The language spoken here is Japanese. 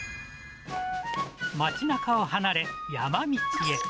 街なかを離れ、山道へ。